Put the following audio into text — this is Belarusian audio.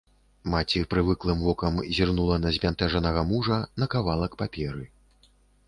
Маці прывыклым вокам зірнула на збянтэжанага мужа, на кавалак паперы.